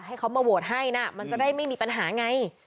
ให้เขามาโหวตให้นะมันจะได้ไม่มีปัญหาไง